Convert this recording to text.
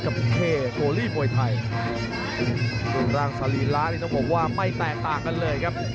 บุคเทโกลีมวยไทยรูปร่างสรีระนี่ต้องบอกว่าไม่แตกต่างกันเลยครับ